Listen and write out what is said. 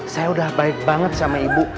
saya udah baik banget sama ibu